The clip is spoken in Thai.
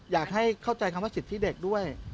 อยากให้เข้าใจคำว่าสิทธิเด็กด้วย